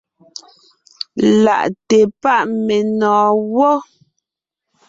Lelaʼte páʼ menɔ̀ɔn gwɔ́.